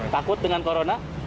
takut dengan corona